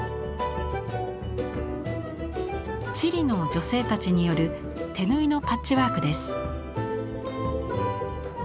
チリの女性たちによる手縫いのパッチワークです。